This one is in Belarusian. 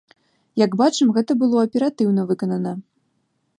Як бачым, гэта было аператыўна выканана.